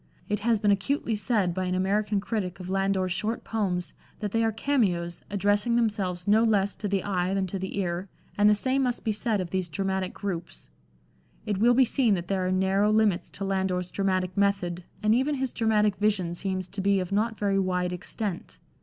It has been acutely said by an American critic of Landor's short poems that they are cameos, addressing themselves no less to the eye than to the ear, and the same must be said of these dramatic groups. It will be seen that there are narrow limits to Landor's dramatic method, and even his dramatic vision seems to be of not very wide extent.